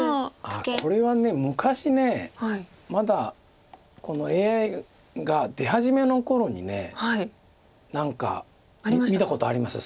これは昔まだこのＡＩが出始めの頃に何か見たことあります